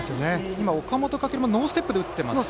今、岡本翔もノーステップで打ちましたね。